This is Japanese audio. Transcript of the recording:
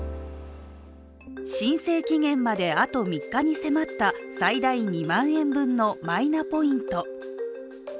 申請期限まであと３日に迫った最大２万円分のマイナポイント。